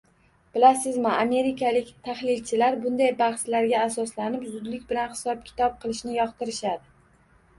Bilasizmi, amerikalik tahlilchilar bunday bahslarga asoslanib zudlik bilan hisob -kitob qilishni yoqtirishadi